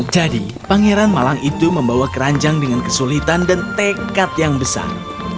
jadi pangeran malang itu membawa keranjang dengan kesulitan dan tekad yang besar